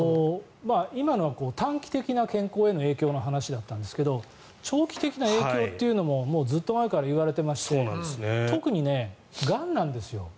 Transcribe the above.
今のは短期的な健康への影響の話だったんですが長期的な影響というのもずっと前からいわれていまして特にがんなんですよ。